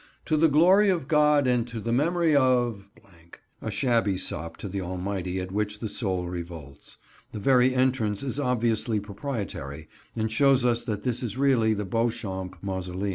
"To the Glory of God and to the memory of —," a shabby sop to the Almighty at which the soul revolts. The very entrance is obviously proprietary, and shows us that this is really the Beauchamp mausoleum.